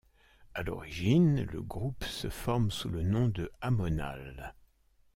À l'origine, le groupe se forme sous le nom de Amonal.